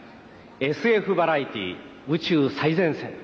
「ＳＦバラエティー宇宙最前線」。